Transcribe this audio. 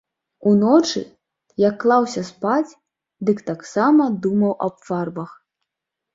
Уночы, як клаўся спаць, дык таксама думаў аб фарбах.